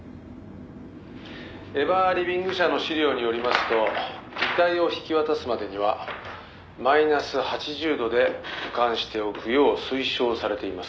エバーリビング社の資料によりますと遺体を引き渡すまでにはマイナス８０度で保管しておくよう推奨されています。